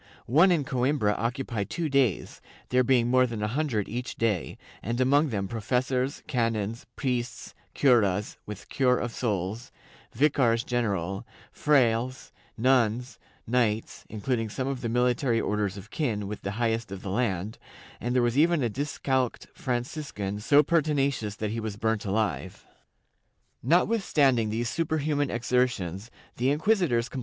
One in Coimbra occupied two days, there being more than a hundred each day, and among them professors, canons, priests, curas with cure of souls, vicars general, frailes, nuns, knights, including some of the Military Orders of kin with the highest of the land, and there was even a discalced Franciscan so pertinacious that he was burnt alive/ » Historia dos principaes Actos, pp. 262 7, 298 301 316 21.